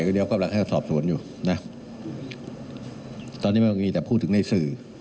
เดี๋ยวกำลังให้สอบสวนอยู่นะตอนนี้มันก็มีแต่พูดถึงในสื่อ